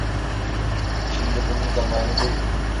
Şimdi bunun zamanı değil.